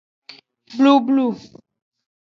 Blublu.